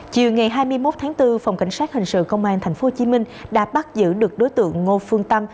chiều ngày hai mươi một tháng bốn phòng cảnh sát hình sự công an tp hcm đã bắt giữ được đối tượng ngô phương tâm